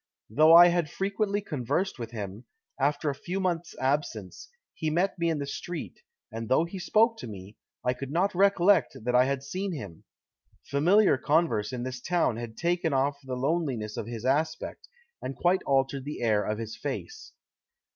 "Though I had frequently conversed with him, after a few months' absence, he met me in the street, and though he spoke to me, I could not recollect that I had seen him. Familiar converse in this town had taken off the loneliness of his aspect, and quite altered the air of his face."